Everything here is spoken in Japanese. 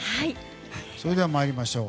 それでは参りましょう。